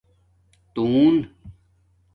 تُݸن